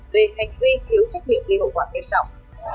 về hành vi thiếu trách nhiệm gây hậu quả nghiêm trọng